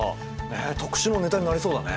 特集のネタになりそうだね。